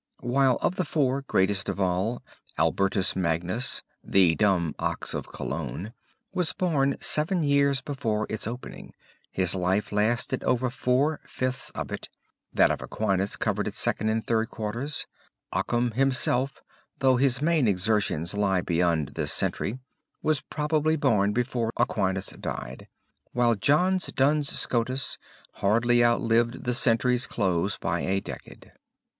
While of the four, greatest of all, Albertus Magnus, the "Dumb Ox of Cologne," was born seven years before its opening, his life lasted over four fifths of it; that of Aquinas covered its second and third quarters; Occam himself, though his main exertions lie beyond this century, was probably born before Aquinas died; while John Duns Scotus hardly outlived the century's close by a decade.